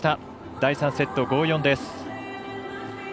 第３セット、５−４です。